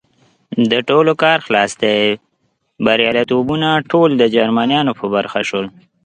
د ټولو کار خلاص دی، بریالیتوبونه ټول د جرمنیانو په برخه شول.